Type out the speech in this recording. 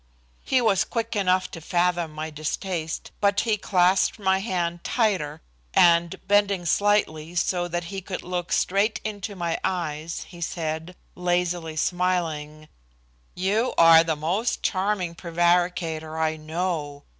He was quick enough to fathom my distaste, but he clasped my hand tighter and, bending slightly so that he could look straight into my eyes he said, lazily smiling: "You are the most charming prevaricator I know.